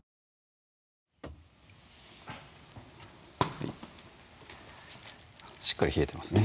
はいしっかり冷えてますね